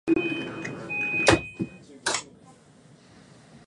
耳にもよく塗りましたか、と書いてあって、